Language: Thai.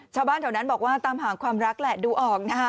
ชาวบ้านแถวนั้นบอกว่าตามหาความรักแหละดูออกนะคะ